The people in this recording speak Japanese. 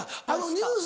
ニュース